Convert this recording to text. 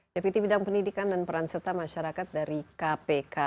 deputi bidang pendidikan dan peran serta masyarakat dari kpk